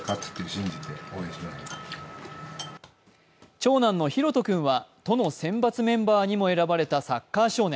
長男の丈人君は都の選抜メンバーにも選ばれたサッカー少年。